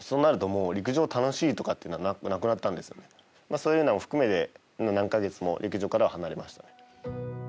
そういうのも含めて何か月も陸上からは離れましたね。